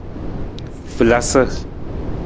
Falasa.